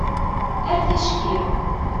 Ar ticki!